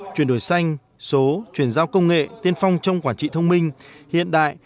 chuyển đổi xanh số chuyển giao công nghệ tiên phong trong quản trị thông minh hiện đại